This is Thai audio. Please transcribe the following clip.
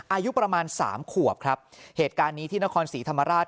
อายุประมาณสามขวบครับเหตุการณ์นี้ที่นครศรีธรรมราช